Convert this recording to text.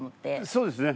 そうですね